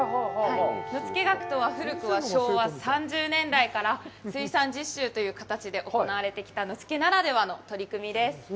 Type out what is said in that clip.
野付学とは、古くは昭和３０年代から水産実習という形で行われてきた野付ならではの取り組みです。